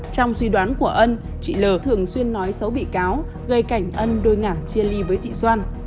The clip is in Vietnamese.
trong suy đoán của ân chị l thường xuyên nói xấu bị cáo gây cảnh ân đôi ngả chia ly với chị doan